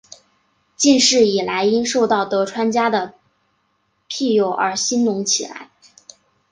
近世以来因受到德川家的庇佑而兴隆起来。